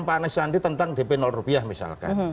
pak anies dan pak sandi tentang dp rupiah misalkan